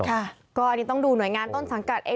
ค่ะก็อันนี้ต้องดูหน่วยงานต้นสังกัดเอง